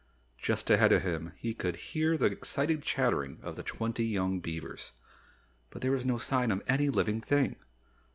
Just ahead of him he could hear the excited chattering of the twenty young beavers. But there was no sign of any living thing.